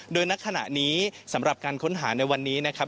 โดยณขณะนี้สำหรับการค้นหาในวันนี้นะครับ